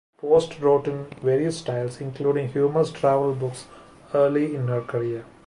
Post wrote in various styles, including humorous travel books, early in her career.